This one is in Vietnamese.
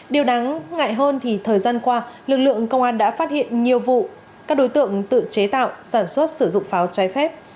điều đáng ngại hơn thì thời gian qua lực lượng công an đã phát hiện nhiều vụ các đối tượng tự chế tạo sản xuất sử dụng pháo trái phép